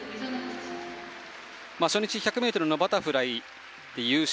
初日、１００ｍバタフライで優勝。